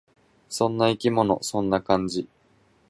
そんな生き物。そんな感じ。